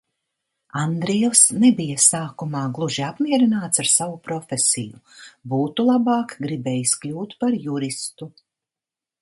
Andrievs nebija sākumā gluži apmierināts ar savu profesiju, būtu labāk gribējis kļūt par juristu.